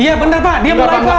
iya benar pak dia bukan pak